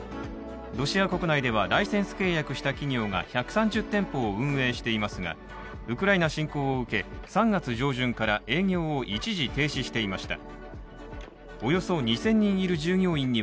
ロシア国内ではライセンス契約した企業が１３０店舗を運営していますが、ウクライナ侵攻を受け、３月上旬から営業を一時停止していました。